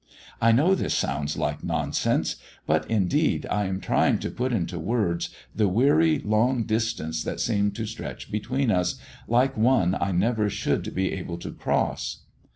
I know this sounds like nonsense, but indeed I am trying to put into words the weary long distance that seemed to stretch between us, like one I never should be able to cross.